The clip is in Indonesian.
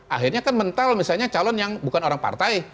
akhirnya kan mental misalnya calon yang bukan orang partai